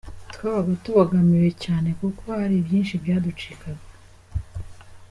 Twabaga tubogamiwe cyane kuko hari byinshi byaducikaga.